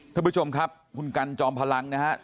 ท่านผู้ชมครับคุณกันจอมพลังนะครับ